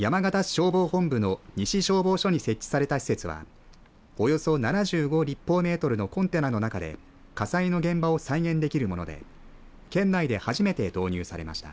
消防本部の西消防署に設置された施設はおよそ７５立方メートルのコンテナの中で火災の現場を再現できるもので県内で初めて導入されました。